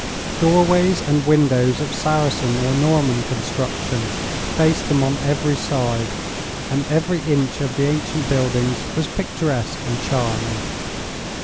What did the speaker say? Doorways and windows of Saracen or Norman construction faced them on every side, and every inch of the ancient buildings was picturesque and charming.